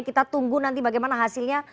kita tunggu nanti bagaimana hasilnya